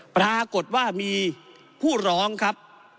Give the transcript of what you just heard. ปรากฏว่ามีผู้ร้องครับ